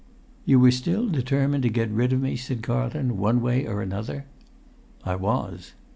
"You were still determined to get rid of me," said Carlton, "one way or another?" "I was."